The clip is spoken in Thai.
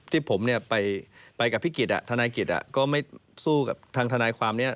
ที่ผมเนี่ยไปกับพี่กิจทนายกิจก็ไม่สู้กับทางทนายความนี้